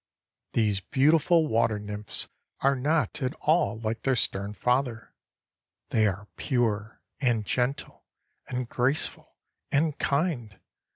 These beautiful water nymphs are not at all like their stern father. They are pure, and gentle and graceful and kind.